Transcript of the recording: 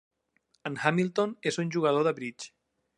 En Hamilton és un jugador de bridge.